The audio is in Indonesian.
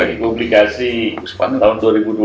ini publikasi tahun dua ribu dua puluh satu